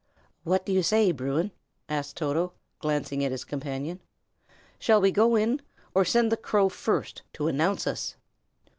"What do you say, Bruin?" asked Toto, glancing at his companion. "Shall we go in, or send the crow first, to announce us?"